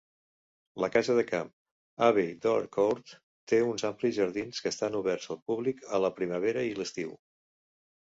La casa de camp Abbey Dore Court té uns amplis jardins que estan oberts al públic a la primavera i l'estiu.